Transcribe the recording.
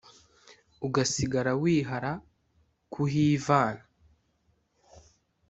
ugasigara wihara kuhivana